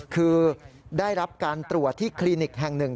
คือได้รับการตรวจที่คลินิกแห่งหนึ่ง